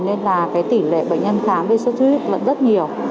nên tỉ lệ bệnh nhân khám với sốt huyết vẫn rất nhiều